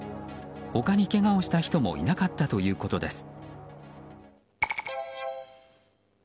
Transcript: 他にけがをした人もいなかったということです。